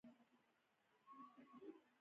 هلک غلی شو.